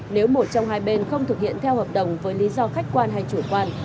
nếu một trong hai bên không thực hiện theo hợp đồng với lý do khách quan hay chủ quan